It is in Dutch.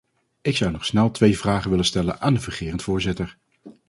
Ik zou nog snel twee vragen willen stellen aan de fungerend voorzitter.